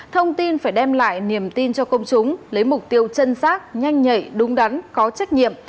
thông tin phải đem lại niềm tin cho công chúng lấy mục tiêu chân sát nhanh nhạy đúng đắn có trách nhiệm